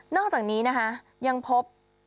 อกจากนี้นะคะยังพบ